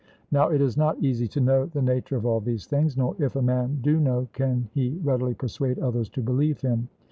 Now it is not easy to know the nature of all these things; nor if a man do know can he readily persuade others to believe him.